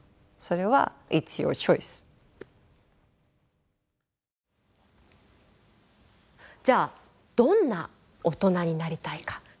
それはじゃあどんな大人になりたいか。